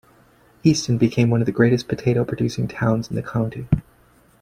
Easton became one of the greatest potato producing towns in the County.